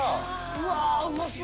うわうまそう！